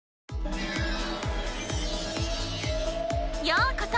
ようこそ！